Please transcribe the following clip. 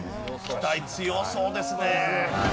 期待強そうですね。